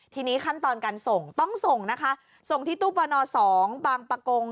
ทีนี้ขั้นตอนการส่งต้องส่งนะคะส่งที่ตู้ปน๒บางประกง